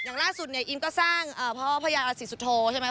อย่างล่าสุดเนี่ยอิมก็สร้างพ่อพระยาศรีสุโธใช่ไหม